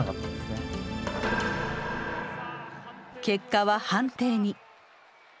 結果は判定に。